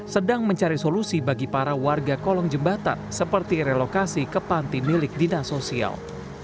sedang mencari solusi bagi para warga kolong jembatan seperti relokasi ke panti milik dinas sosial